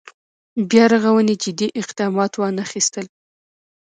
بیا رغونې جدي اقدامات وانخېستل.